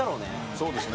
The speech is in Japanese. そうですね。